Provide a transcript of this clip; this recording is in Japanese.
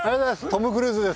トム・クルーズです。